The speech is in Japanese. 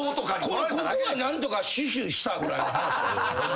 ここは何とか死守したぐらいの話よ。